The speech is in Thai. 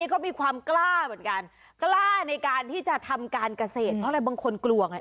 ก็มีความกล้าเหมือนกันกล้าในการที่จะทำการเกษตรเพราะอะไรบางคนกลัวไง